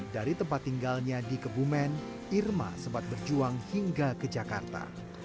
dari tempat tinggalnya di kebumen irma sempat berjuang hingga ke jakarta